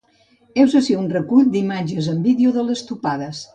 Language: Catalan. Heus ací un recull d’imatges en vídeo de les topades.